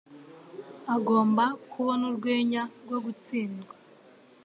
Agomba kubona urwenya rwo gutsindwa"